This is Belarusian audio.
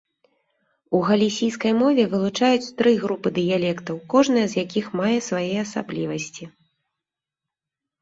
У галісійскай мове вылучаюць тры групы дыялектаў, кожная з якіх мае свае асаблівасці.